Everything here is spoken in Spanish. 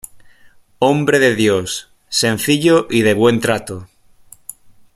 Hombre de Dios, sencillo y de buen trato.